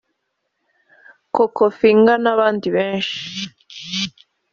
Coco Finger n’abandi benshi